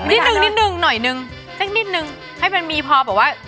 นิดนึงหน่อยนึงให้มีพอแบบว่า